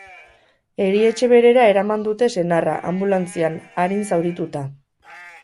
Erietxe berera eraman dute senarra, anbulantzian, arin zaurituta.